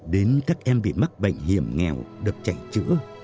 đến các em bị mắc bệnh hiểm nghèo được chảy chữa